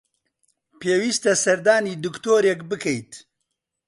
پێویستە سەردانی دکتۆرێک بکەیت.